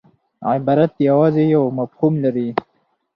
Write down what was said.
عبارت یوازي یو مفهوم لري.